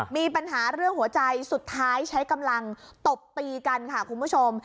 มีปัญหาเรื่องหัวใจสุดท้ายใช้กำลังตบตีกันค่ะคุณผู้ชม